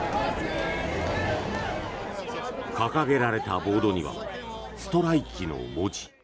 掲げられたボードには「ストライキ」の文字。